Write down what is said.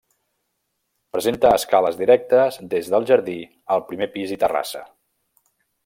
Presenta escales directes des del jardí al primer pis i terrassa.